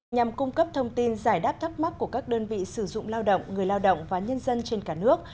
nhằm cung cấp thông tin giải đáp thắc mắc của các đơn vị sử dụng lao động người lao động và nhân dân trên cả nước